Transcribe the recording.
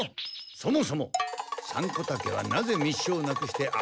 そもそもサンコタケはなぜ密書をなくしてあわてたのか。